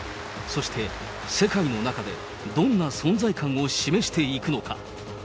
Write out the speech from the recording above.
そして、世界の中でどんな存在感を示していくのか。